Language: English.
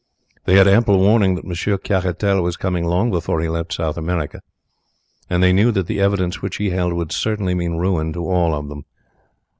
They had ample warning that Monsieur Caratal was coming long before he left South America, and they knew that the evidence which he held would certainly mean ruin to all of them.